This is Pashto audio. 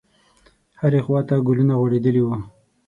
هرې خواته ګلونه غوړېدلي وو.